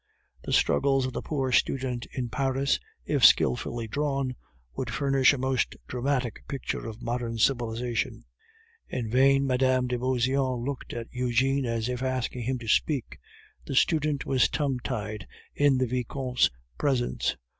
The struggles of the poor student in Paris, if skilfully drawn, would furnish a most dramatic picture of modern civilization. In vain Mme. de Beauseant looked at Eugene as if asking him to speak; the student was tongue tied in the Vicomte's presence.